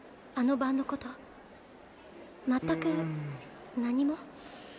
あの晩のことうーん全く何も？